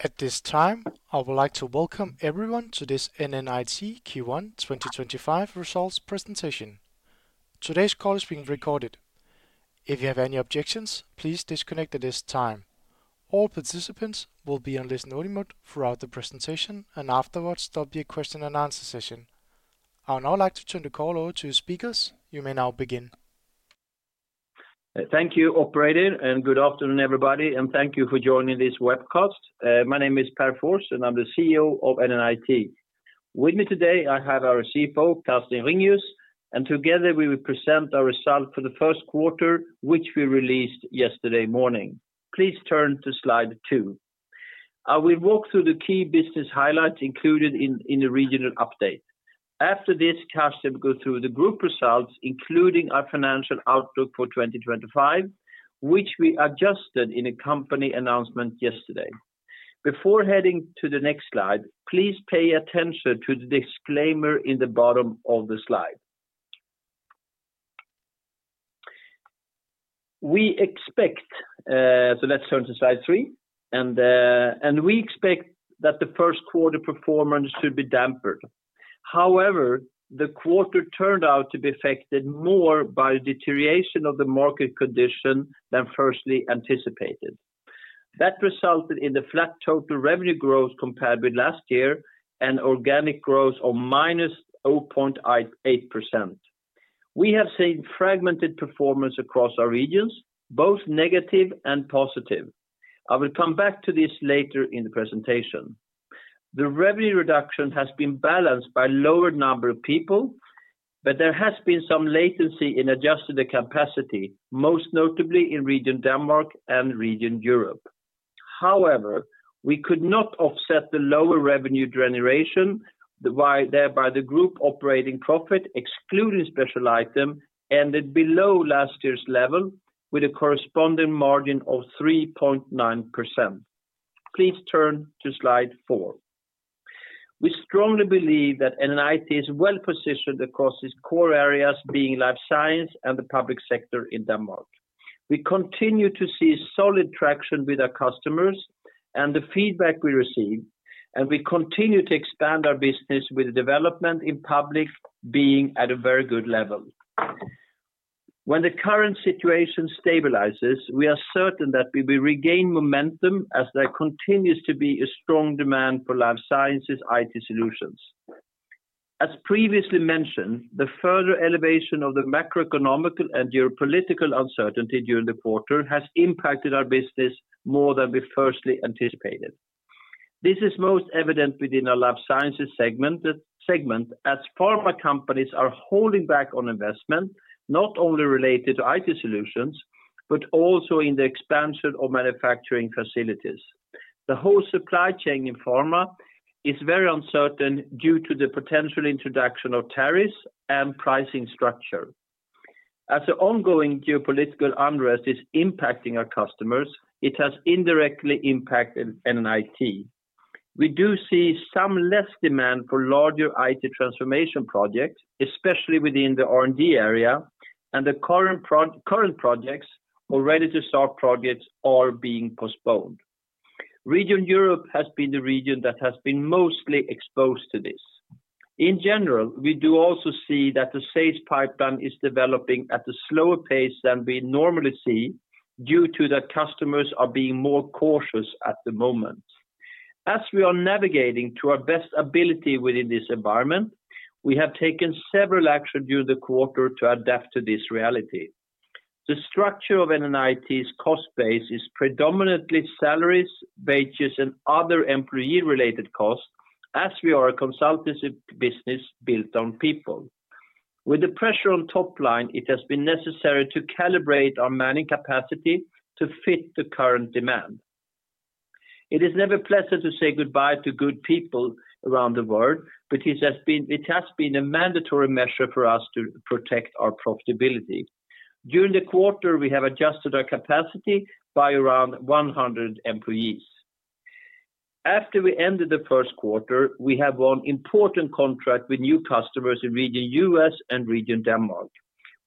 At this time, I would like to welcome everyone to this NNIT Q1 2025 results presentation. Today's call is being recorded. If you have any objections, please disconnect at this time. All participants will be on listen-only mode throughout the presentation, and afterwards, there will be a question-and-answer session. I would now like to turn the call over to your speakers. You may now begin. Thank you, Operator, and good afternoon, everybody. Thank you for joining this webcast. My name is Pär Fors, and I'm the CEO of NNIT. With me today, I have our CFO, Carsten Ringius, and together we will present our result for the first quarter, which we released yesterday morning. Please turn to slide two. I will walk through the key business highlights included in the regional update. After this, Carsten will go through the group results, including our financial outlook for 2025, which we adjusted in a company announcement yesterday. Before heading to the next slide, please pay attention to the disclaimer in the bottom of the slide. We expect—so let's turn to slide three—and we expect that the first quarter performance should be dampered. However, the quarter turned out to be affected more by the deterioration of the market condition than firstly anticipated. That resulted in the flat total revenue growth compared with last year and organic growth of minus 0.8%. We have seen fragmented performance across our regions, both negative and positive. I will come back to this later in the presentation. The revenue reduction has been balanced by a lower number of people, but there has been some latency in adjusting the capacity, most notably in Region Denmark and Region Europe. However, we could not offset the lower revenue generation, why thereby the group operating profit, excluding special items, ended below last year's level with a corresponding margin of 3.9%. Please turn to slide four. We strongly believe that NNIT is well positioned across its core areas, being life science and the public sector in Denmark. We continue to see solid traction with our customers and the feedback we receive, and we continue to expand our business with development in public being at a very good level. When the current situation stabilizes, we are certain that we will regain momentum as there continues to be a strong demand for life sciences IT solutions. As previously mentioned, the further elevation of the macroeconomic and geopolitical uncertainty during the quarter has impacted our business more than we first anticipated. This is most evident within our life sciences segment as pharma companies are holding back on investment, not only related to IT solutions, but also in the expansion of manufacturing facilities. The whole supply chain in pharma is very uncertain due to the potential introduction of tariffs and pricing structure. As the ongoing geopolitical unrest is impacting our customers, it has indirectly impacted NNIT. We do see some less demand for larger IT transformation projects, especially within the R&D area, and the current projects or ready-to-start projects are being postponed. Region Europe has been the region that has been mostly exposed to this. In general, we do also see that the sales pipeline is developing at a slower pace than we normally see due to that customers are being more cautious at the moment. As we are navigating to our best ability within this environment, we have taken several actions during the quarter to adapt to this reality. The structure of NNIT's cost base is predominantly salaries, wages, and other employee-related costs, as we are a consultancy business built on people. With the pressure on top line, it has been necessary to calibrate our managing capacity to fit the current demand. It is never pleasant to say goodbye to good people around the world, but it has been a mandatory measure for us to protect our profitability. During the quarter, we have adjusted our capacity by around 100 employees. After we ended the first quarter, we have won important contracts with new customers in Region US and Region Denmark.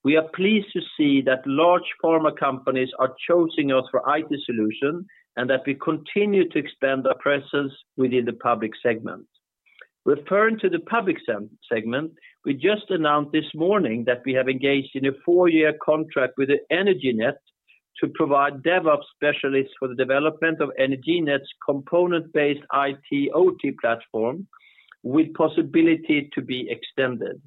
We are pleased to see that large pharma companies are choosing us for IT solutions and that we continue to expand our presence within the public segment. Referring to the public segment, we just announced this morning that we have engaged in a four-year contract with Energinet to provide DevOps specialists for the development of Energinet's component-based IT OT platform with possibility to be extended.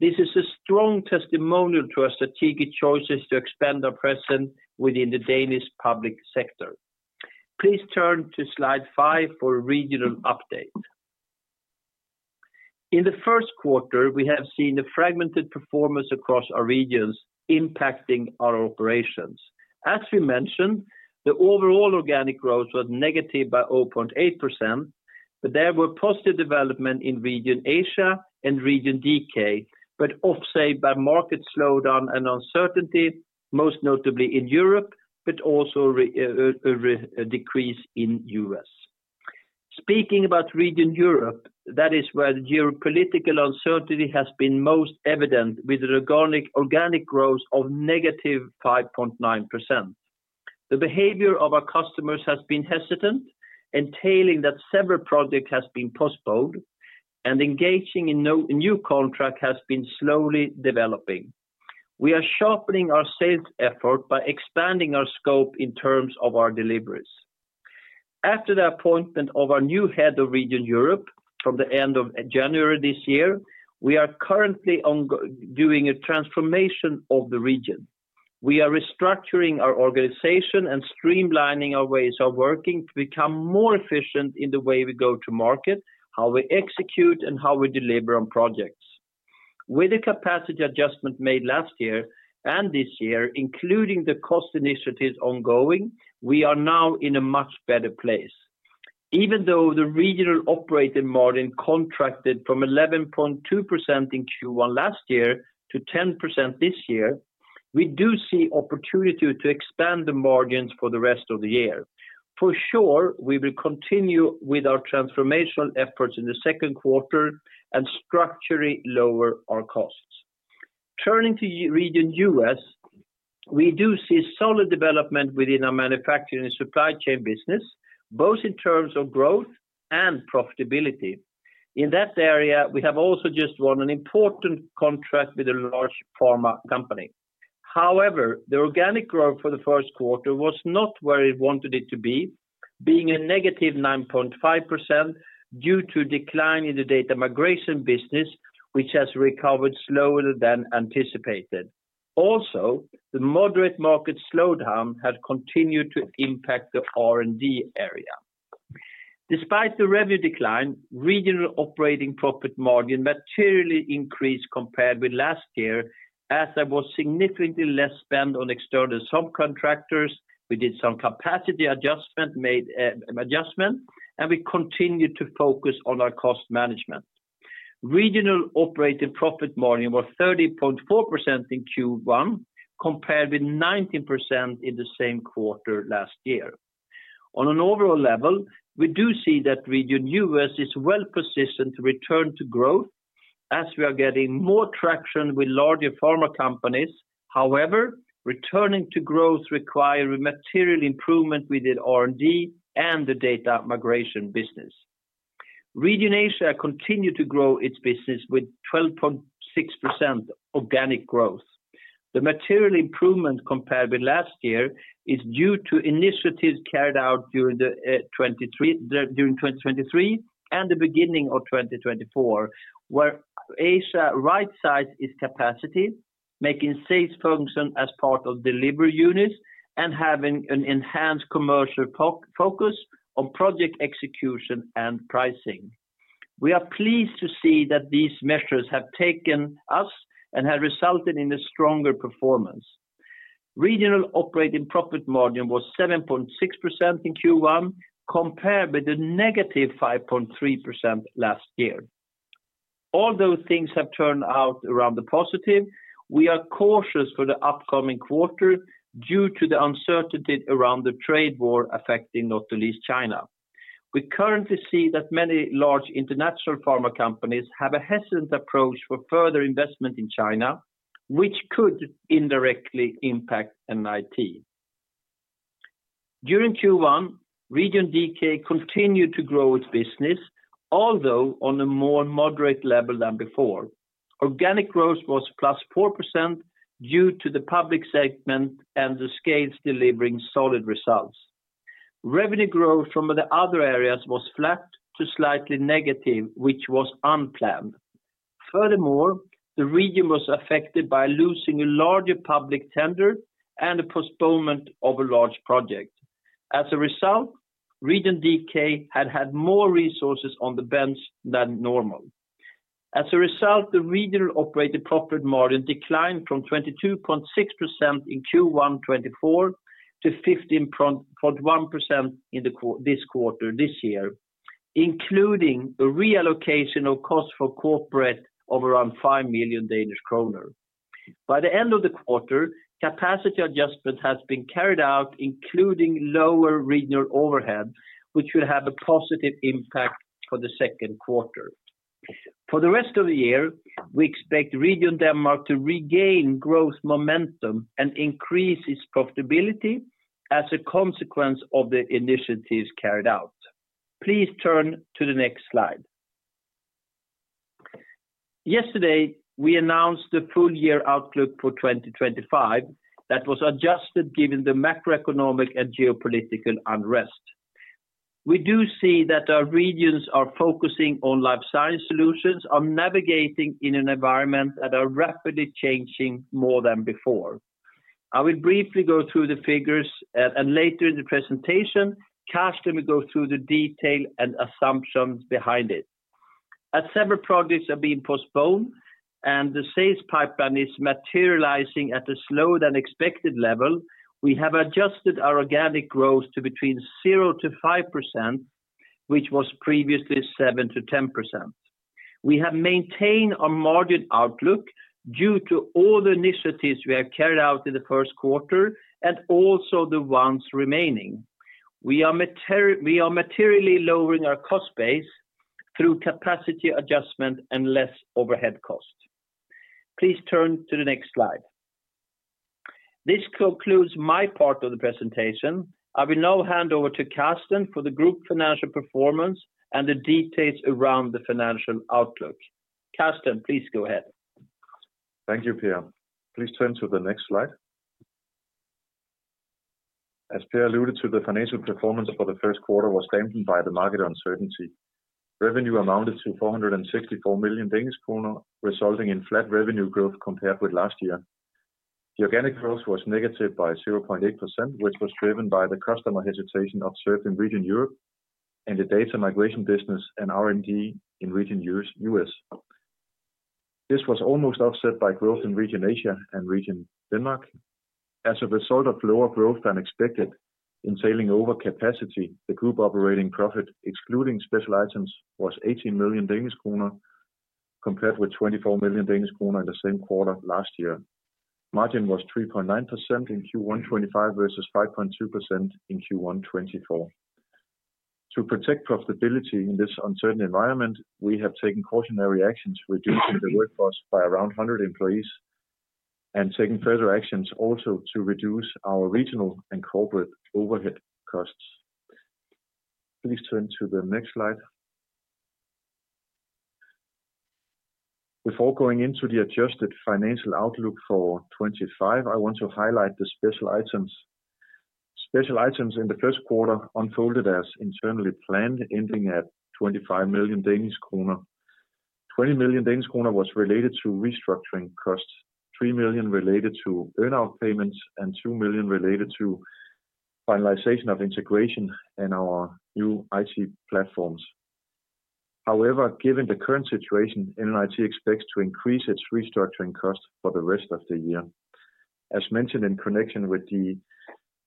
This is a strong testimonial to our strategic choices to expand our presence within the Danish public sector. Please turn to slide five for a regional update. In the first quarter, we have seen the fragmented performance across our regions impacting our operations. As we mentioned, the overall organic growth was negative by 0.8%, but there were positive developments in Region Asia and Region DK, but offset by market slowdown and uncertainty, most notably in Europe, but also a decrease in the U.S. Speaking about Region Europe, that is where the geopolitical uncertainty has been most evident with the organic growth of negative 5.9%. The behavior of our customers has been hesitant, entailing that several projects have been postponed, and engaging in new contracts has been slowly developing. We are sharpening our sales effort by expanding our scope in terms of our deliveries. After the appointment of our new head of Region Europe from the end of January this year, we are currently doing a transformation of the region. We are restructuring our organization and streamlining our ways of working to become more efficient in the way we go to market, how we execute, and how we deliver on projects. With the capacity adjustment made last year and this year, including the cost initiatives ongoing, we are now in a much better place. Even though the regional operating margin contracted from 11.2% in Q1 last year to 10% this year, we do see opportunity to expand the margins for the rest of the year. For sure, we will continue with our transformational efforts in the second quarter and structurally lower our costs. Turning to Region U.S., we do see solid development within our manufacturing and supply chain business, both in terms of growth and profitability. In that area, we have also just won an important contract with a large pharma company. However, the organic growth for the first quarter was not where we wanted it to be, being a negative 9.5% due to a decline in the data migration business, which has recovered slower than anticipated. Also, the moderate market slowdown has continued to impact the R&D area. Despite the revenue decline, regional operating profit margin materially increased compared with last year as there was significantly less spend on external subcontractors. We did some capacity adjustment, and we continued to focus on our cost management. Regional operating profit margin was 30.4% in Q1 compared with 19% in the same quarter last year. On an overall level, we do see that Region U.S. is well positioned to return to growth as we are getting more traction with larger pharma companies. However, returning to growth requires a material improvement within R&D and the data migration business. Region Asia continued to grow its business with 12.6% organic growth. The material improvement compared with last year is due to initiatives carried out during 2023 and the beginning of 2024, where Asia rightsized its capacity, making sales function as part of delivery units and having an enhanced commercial focus on project execution and pricing. We are pleased to see that these measures have taken us and have resulted in a stronger performance. Regional operating profit margin was 7.6% in Q1 compared with a -5.3% last year. Although things have turned out around the positive, we are cautious for the upcoming quarter due to the uncertainty around the trade war affecting not the least China. We currently see that many large international pharma companies have a hesitant approach for further investment in China, which could indirectly impact NNIT. During Q1, Region DK continued to grow its business, although on a more moderate level than before. Organic growth was +4% due to the public segment and the SCALES delivering solid results. Revenue growth from the other areas was flat to slightly negative, which was unplanned. Furthermore, the region was affected by losing a larger public tender and the postponement of a large project. As a result, Region DK had more resources on the bench than normal. As a result, the regional operating profit margin declined from 22.6% in Q1 2024 to 15.1% in this quarter this year, including a reallocation of costs for corporate of around 5 million Danish kroner. By the end of the quarter, capacity adjustment has been carried out, including lower regional overhead, which will have a positive impact for the second quarter. For the rest of the year, we expect Region Denmark to regain growth momentum and increase its profitability as a consequence of the initiatives carried out. Please turn to the next slide. Yesterday, we announced the full year outlook for 2025 that was adjusted given the macroeconomic and geopolitical unrest. We do see that our regions are focusing on life science solutions, are navigating in an environment that are rapidly changing more than before. I will briefly go through the figures, and later in the presentation, Carsten will go through the detail and assumptions behind it. As several projects have been postponed and the sales pipeline is materializing at a slower than expected level, we have adjusted our organic growth to between 0%-5%, which was previously 7%-10%. We have maintained our margin outlook due to all the initiatives we have carried out in the first quarter and also the ones remaining. We are materially lowering our cost base through capacity adjustment and less overhead cost. Please turn to the next slide. This concludes my part of the presentation. I will now hand over to Carsten for the group financial performance and the details around the financial outlook. Carsten, please go ahead. Thank you, Pär. Please turn to the next slide. As Pär alluded to, the financial performance for the first quarter was dampened by the market uncertainty. Revenue amounted to 464 million Danish kroner, resulting in flat revenue growth compared with last year. The organic growth was negative by 0.8%, which was driven by the customer hesitation observed in Region Europe and the data migration business and R&D in Region U.S. This was almost offset by growth in Region Asia and Region Denmark. As a result of lower growth than expected, entailing overcapacity, the group operating profit, excluding special items, was 18 million Danish kroner compared with 24 million Danish kroner in the same quarter last year. Margin was 3.9% in Q1 2025 versus 5.2% in Q1 2024. To protect profitability in this uncertain environment, we have taken cautionary actions, reducing the workforce by around 100 employees and taking further actions also to reduce our regional and corporate overhead costs. Please turn to the next slide. Before going into the adjusted financial outlook for 2025, I want to highlight the special items. Special items in the first quarter unfolded as internally planned, ending at 25 million Danish kroner. 20 million Danish kroner was related to restructuring costs, 3 million related to earnout payments, and 2 million related to finalization of integration and our new IT platforms. However, given the current situation, NNIT expects to increase its restructuring costs for the rest of the year. As mentioned in connection with the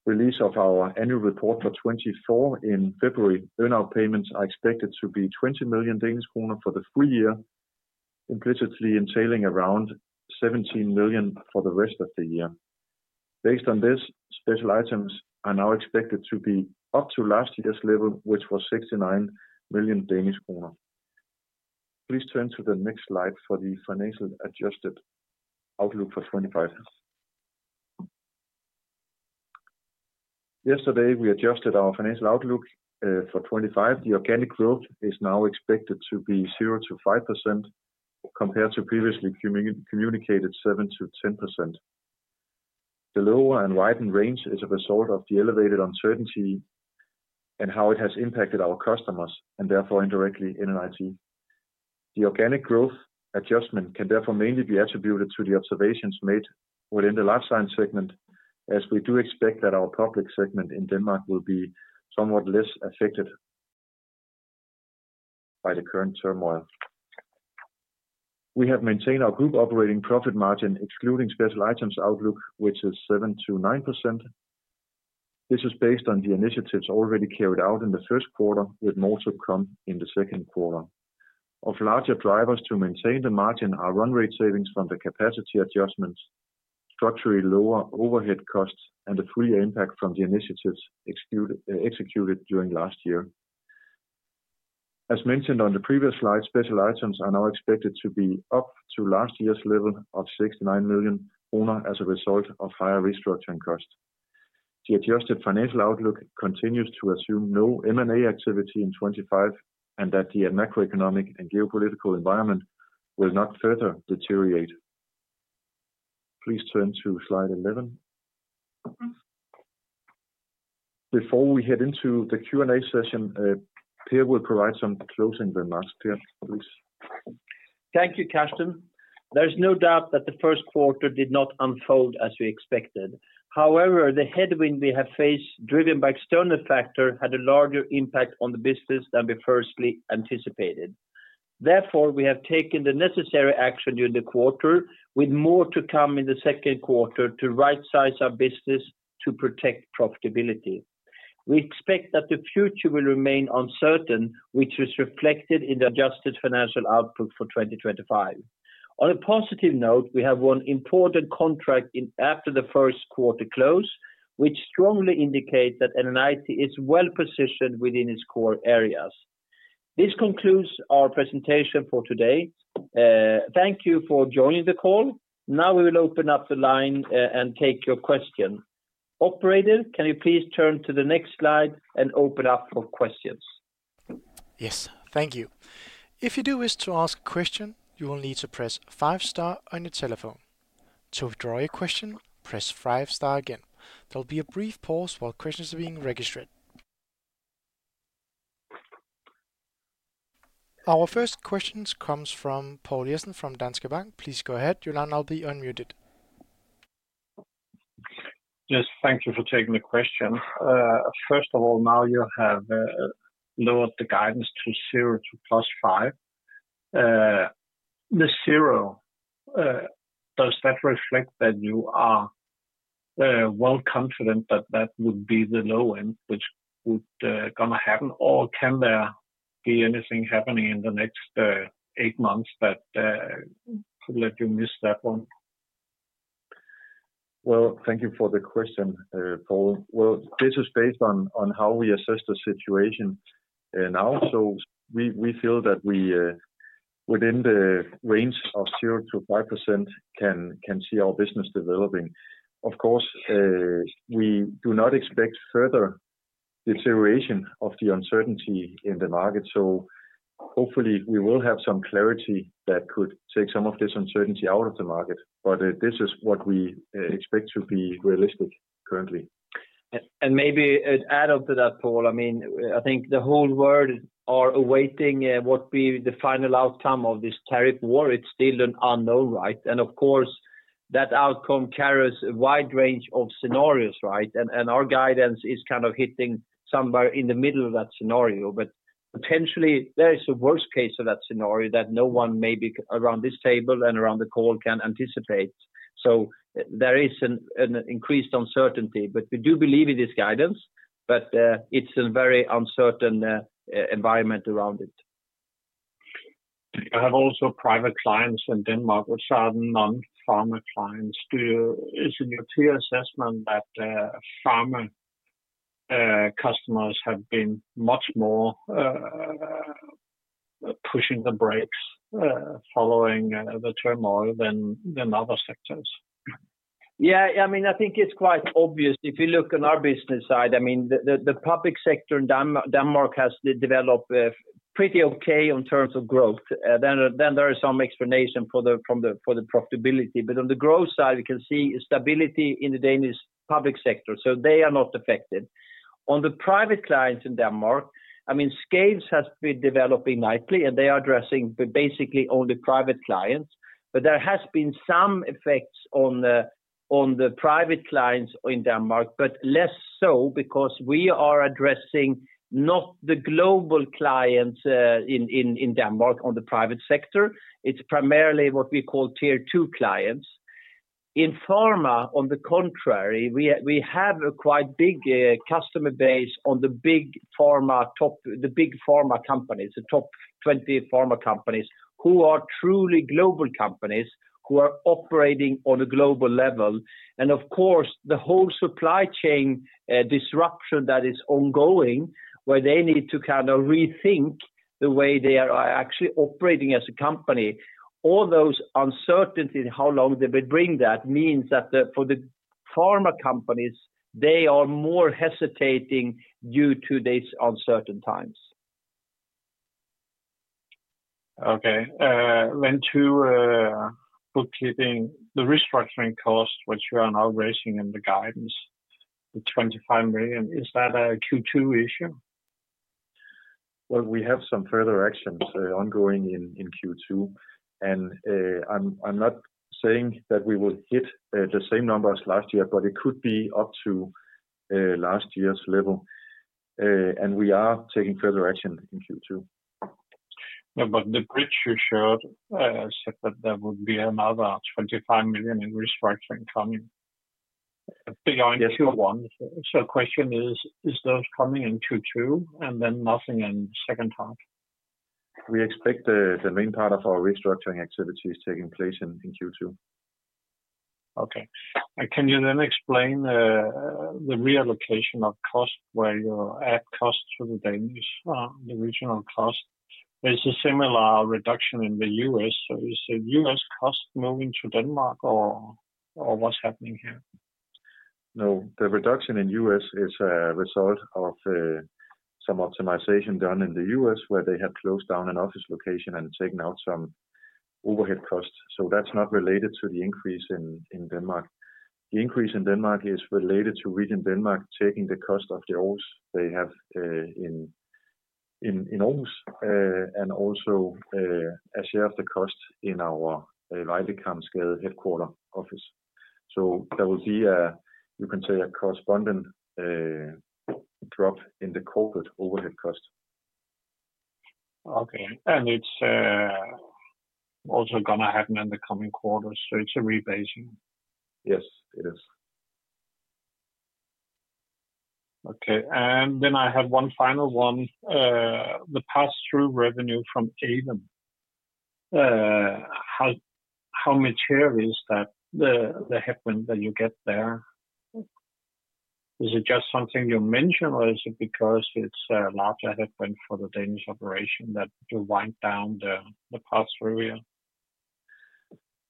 release of our annual report for 2024 in February, earnout payments are expected to be 20 million Danish kroner for the full year, implicitly entailing around 17 million for the rest of the year. Based on this, special items are now expected to be up to last year's level, which was 69 million Danish kroner. Please turn to the next slide for the financial adjusted outlook for 2025. Yesterday, we adjusted our financial outlook for 2025. The organic growth is now expected to be 0%-5% compared to previously communicated 7%-10%. The lower and widened range is a result of the elevated uncertainty and how it has impacted our customers and therefore indirectly NNIT. The organic growth adjustment can therefore mainly be attributed to the observations made within the life science segment, as we do expect that our public segment in Denmark will be somewhat less affected by the current turmoil. We have maintained our group operating profit margin, excluding special items outlook, which is 7%-9%. This is based on the initiatives already carried out in the first quarter, with more to come in the second quarter. Of larger drivers to maintain the margin are run rate savings from the capacity adjustments, structurally lower overhead costs, and the full year impact from the initiatives executed during last year. As mentioned on the previous slide, special items are now expected to be up to last year's level of 69 million kroner as a result of higher restructuring costs. The adjusted financial outlook continues to assume no M&A activity in 2025 and that the macroeconomic and geopolitical environment will not further deteriorate. Please turn to slide 11. Before we head into the Q&A session, Pär will provide some closing remarks. Pär, please. Thank you, Carsten. There is no doubt that the first quarter did not unfold as we expected. However, the headwind we have faced, driven by external factors, had a larger impact on the business than we firstly anticipated. Therefore, we have taken the necessary action during the quarter, with more to come in the second quarter, to right-size our business to protect profitability. We expect that the future will remain uncertain, which is reflected in the adjusted financial output for 2025. On a positive note, we have won important contracts after the first quarter close, which strongly indicates that NNIT is well positioned within its core areas. This concludes our presentation for today. Thank you for joining the call. Now we will open up the line and take your question. Operator, can you please turn to the next slide and open up for questions? Yes, thank you. If you do wish to ask a question, you will need to press five-star on your telephone. To withdraw your question, press five-star again. There will be a brief pause while questions are being registered. Our first question comes from Poul Jessen from Danske Bank. Please go ahead, your line now be unmuted. Yes, thank you for taking the question. First of all, now you have lowered the guidance to 0%-5%. The zero, does that reflect that you are well confident that that would be the low end, which would going to happen, or can there be anything happening in the next eight months that could let you miss that one? Thank you for the question, Poul. This is based on how we assess the situation now. We feel that within the range of 0%-5% can see our business developing. Of course, we do not expect further deterioration of the uncertainty in the market. Hopefully, we will have some clarity that could take some of this uncertainty out of the market. This is what we expect to be realistic currently. Maybe add on to that, Poul. I mean, I think the whole world are awaiting what will be the final outcome of this tariff war. It's still an unknown, right? Of course, that outcome carries a wide range of scenarios, right? Our guidance is kind of hitting somewhere in the middle of that scenario. Potentially, there is a worst case of that scenario that no one maybe around this table and around the call can anticipate. There is an increased uncertainty, but we do believe in this guidance, but it's a very uncertain environment around it. I have also private clients in Denmark, which are non-pharma clients. Is it your clear assessment that pharma customers have been much more pushing the brakes following the turmoil than other sectors? Yeah, I mean, I think it's quite obvious if you look on our business side. I mean, the public sector in Denmark has developed pretty okay in terms of growth. There is some explanation for the profitability. On the growth side, we can see stability in the Danish public sector. They are not affected. On the private clients in Denmark, I mean, SCALES have been developing nicely, and they are addressing basically only private clients. There have been some effects on the private clients in Denmark, but less so because we are addressing not the global clients in Denmark on the private sector. It is primarily what we call tier two clients. In pharma, on the contrary, we have a quite big customer base on the big pharma companies, the top 20 pharma companies who are truly global companies who are operating on a global level. Of course, the whole supply chain disruption that is ongoing, where they need to kind of rethink the way they are actually operating as a company. All those uncertainties in how long they will bring, that means that for the pharma companies, they are more hesitating due to these uncertain times. Okay. When to bookkeeping the restructuring costs, which you are now raising in the guidance, the 25 million, is that a Q2 issue? We have some further actions ongoing in Q2. I'm not saying that we will hit the same numbers last year, but it could be up to last year's level. We are taking further action in Q2. The bridge you showed said that there would be another 25 million in restructuring coming beyond Q1. The question is, are those coming in Q2 and then nothing in the second half? We expect the main part of our restructuring activities taking place in Q2. Okay. Can you then explain the reallocation of costs where you add costs to the Danish, the regional cost? There's a similar reduction in the U.S. Is the U.S. cost moving to Denmark or what's happening here? No, the reduction in U.S. is a result of some optimization done in the U.S., where they have closed down an office location and taken out some overhead costs. That's not related to the increase in Denmark. The increase in Denmark is related to Region Denmark taking the cost of the they have in and also a share of the cost in our Weidekampsgade headquarter office. There will be, you can say, a correspondent drop in the corporate overhead cost. Okay. It's also going to happen in the coming quarters, so it's a rebasing? Yes, it is. Okay. I have one final one. The pass-through revenue from Aeven, how mature is that headwind that you get there? Is it just something you mentioned, or is it because it's a larger headwind for the Danish operation that you wind down the pass-through here?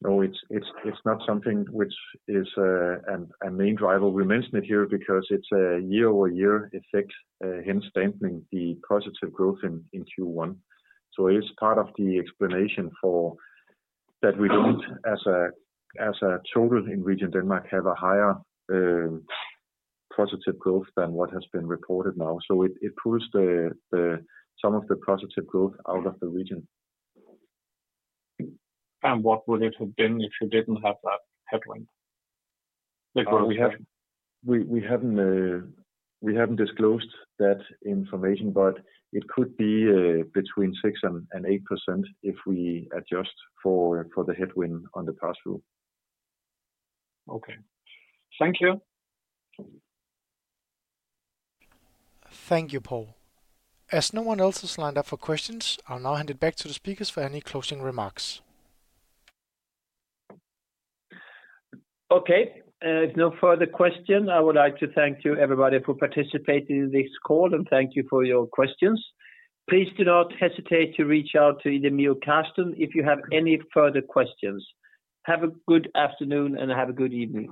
No, it's not something which is a main driver. We mention it here because it's a year-over-year effect, hence dampening the positive growth in Q1. It's part of the explanation for that we don't, as a total in Region Denmark, have a higher positive growth than what has been reported now. It pulls some of the positive growth out of the region. What would it have been if you didn't have that headwind? Because we haven't disclosed that information, but it could be between 6%-8% if we adjust for the headwind on the pass-through. Okay. Thank you. Thank you, Poul. As no one else has lined up for questions, I'll now hand it back to the speakers for any closing remarks. Okay. If no further questions, I would like to thank you, everybody, for participating in this call and thank you for your questions. Please do not hesitate to reach out to either me or Carsten if you have any further questions. Have a good afternoon and have a good evening.